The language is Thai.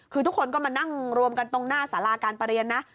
คือทุกคนก็มานั่งรวมกันตรงหน้าสาราการประเรียนนะ